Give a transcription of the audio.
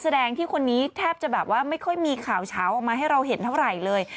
แสดงที่คนนี้แทบจะแบบว่าไม่ค่อยมีข่าวเช้าออกมาให้เราเห็นเท่าไหร่เลย